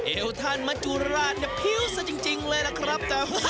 เอวท่านมัจจุราชเนี่ยพิ้วซะจริงเลยล่ะครับ